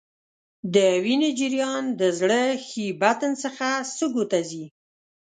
د وینې جریان د زړه ښي بطن څخه سږو ته ځي.